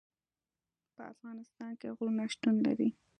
په افغانستان کې غرونه شتون لري.